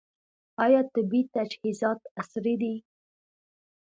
آیا طبي تجهیزات عصري دي؟